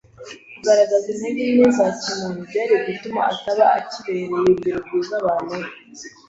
kugaragaza intege nke za kimuntu byari gutuma ataba akibereye urugero rwiza abantu be